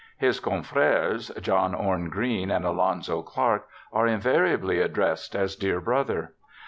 His confreres, John Orne Green and Alonzo Clark, are invariably addressed as 'Dear Brother'.